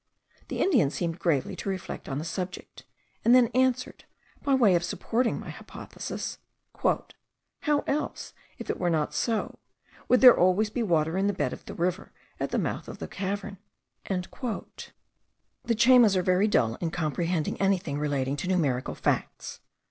The Indian seemed gravely to reflect on the subject, and then answered, by way of supporting my hypothesis: "How else, if it were not so, would there always be water in the bed of the river at the mouth of the cavern?" The Chaymas are very dull in comprehending anything relating to numerical facts.